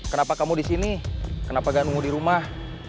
kenapa kamu disini kenapa gak nunggu dirumah